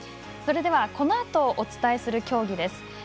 それではこのあとお伝えする競技です。